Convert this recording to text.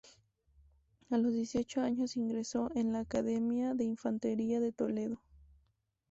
A los dieciocho años ingresó en la Academia de Infantería de Toledo.